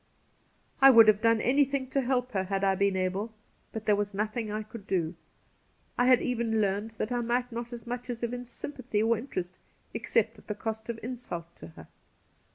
I would have done anything to help her had I been able, but there was nothings I could do. I had even learned that I might not as much as evince sympathy or interest, except at the cost of insult to her.